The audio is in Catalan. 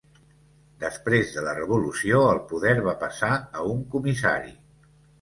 Després de la revolució el poder va passar a un comissari.